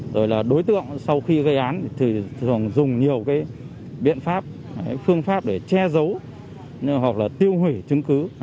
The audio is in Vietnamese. rồi là đối tượng sau khi gây án thì thường dùng nhiều cái biện pháp phương pháp để che giấu hoặc là tiêu hủy chứng cứ